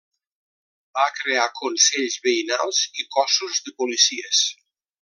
Va crear consells veïnals i cossos de policies.